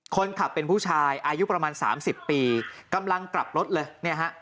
คนขับเป็นผู้ชายอายุประมาณ๓๐ปีกำลังกลับรถเลยเนี่ยฮะ